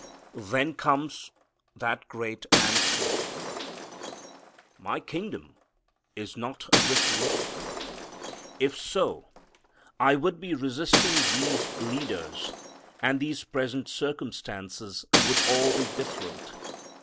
Then comes that great answer, "My kingdom is not of this world, if so I would be resisting these leaders and these present circumstances would all be different.